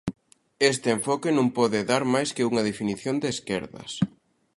Este enfoque non pode dar máis que unha definición de esquerdas.